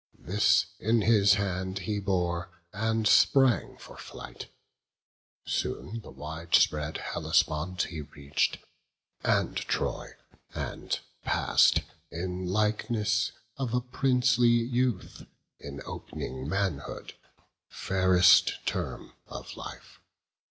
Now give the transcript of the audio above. This in his hand he bore, and sprang for flight. Soon the wide Hellespont he reach'd, and Troy, And pass'd in likeness of a princely youth, In op'ning manhood, fairest term of life.